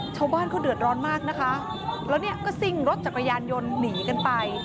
ชาวบ้านเขาเดือดร้อนมากนะคะแล้วเนี่ยก็ซิ่งรถจักรยานยนต์หนีกันไป